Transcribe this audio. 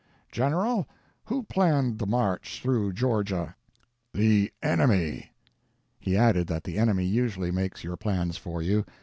"General, who planned the march through Georgia?" "The enemy!" He added that the enemy usually makes your plans for you.